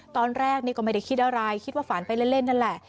ตอนแรกนี่ก็ไม่ได้คิดอะไรคิดว่าฝันไปเล่นนั่นแหละ